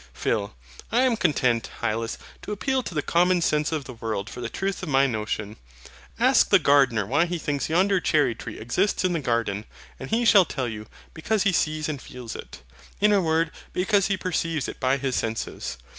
PHIL. I am content, Hylas, to appeal to the common sense of the world for the truth of my notion. Ask the gardener why he thinks yonder cherry tree exists in the garden, and he shall tell you, because he sees and feels it; in a word, because he perceives it by his senses.